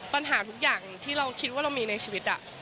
ปัญหาทุกอย่างที่เราคิดว่าเรามีในชีวิต